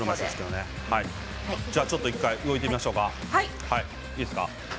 ちょっと１回動いてみましょうか。